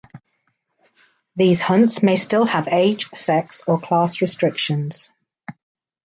These hunts may still have age, sex or class restrictions.